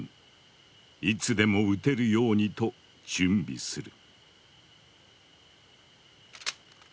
いつでも撃てるようにと準備する。